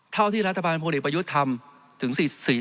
เท่าที่รัฐบาลพลเอกประยุทธ์ทำถึง